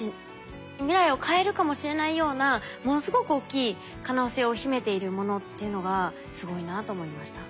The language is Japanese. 未来を変えるかもしれないようなものすごく大きい可能性を秘めているものっていうのがすごいなと思いました。